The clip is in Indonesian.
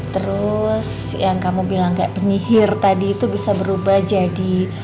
terus yang kamu bilang kayak penyihir tadi itu bisa berubah jadi